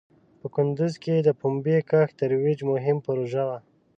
په کندوز کې د پومبې کښت ترویج مهم پروژه وه.